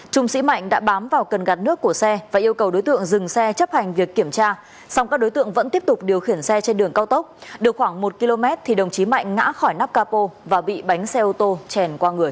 trung sĩ mạnh đã bám vào cần gạt nước của xe và yêu cầu đối tượng dừng xe chấp hành việc kiểm tra song các đối tượng vẫn tiếp tục điều khiển xe trên đường cao tốc được khoảng một km thì đồng chí mạnh ngã khỏi nắp capo và bị bánh xe ô tô chèn qua người